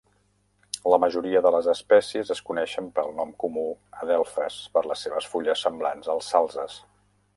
La majoria de les espècies es coneixen pel nom comú adelfes per les seves fulles semblants als salzes.